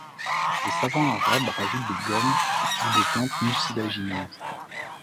Les savants arabes rajoutent des gommes ou des plantes mucilagineuses.